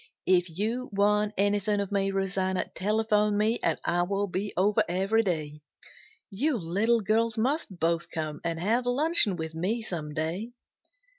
If you want anything of me, Rosanna, telephone me and I will be over every day. You little girls must both come and have luncheon with me some day."